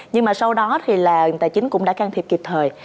nhưng mà sau đó thì là tài chính cũng đã can thiệp kịp thời